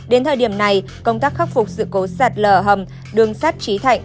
đến thời điểm này công tác khắc phục sự cố sạt lở hầm đường sắt trí thạnh